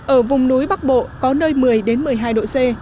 ở vùng núi bắc bộ có nơi một mươi một mươi hai độ c